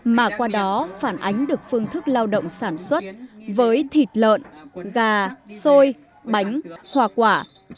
mà qua đó phản ánh được phương thức lao động sản xuất với thịt lợn gà xôi bánh hoa quả